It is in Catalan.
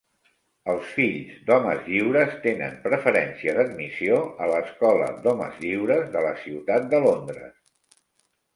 Els fills d'homes lliures tenen preferència d'admissió a l'Escola d'homes lliures de la ciutat de Londres.